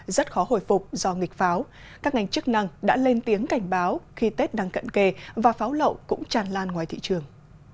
rất khó hồi phục do nghịch pháo các ngành chức năng đã lên tiếng cảnh báo khi tết đang cận kề và pháo lậu cũng tràn lan ngoài thị trường